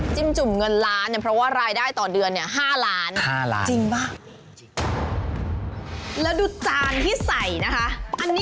จิ้มจุ่มเงินล้านเนี่ยเพราะว่ารายได้ต่อเดือนเนี่ย๕ล้าน